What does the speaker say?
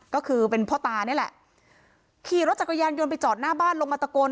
ก็คือเป็นพ่อตานี่แหละขี่รถจักรยานยนต์ไปจอดหน้าบ้านลงมาตะโกน